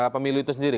pemilu itu sendiri